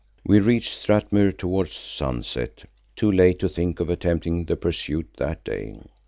We reached Strathmuir towards sunset, too late to think of attempting the pursuit that day.